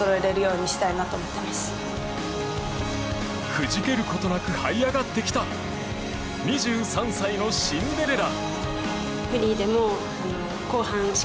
くじけることなくはい上がってきた２３歳のシンデレラ。